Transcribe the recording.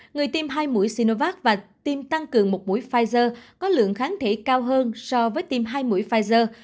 người tiêm hai mũi sinovac và tim tăng cường một mũi pfizer có lượng kháng thể cao hơn so với tiêm hai mũi pfizer